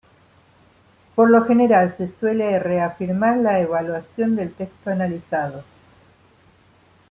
Por lo general se suele reafirmar la evaluación del texto analizado.